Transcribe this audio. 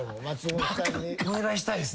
お願いしたいです。